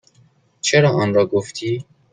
چرا آنرا گفتی؟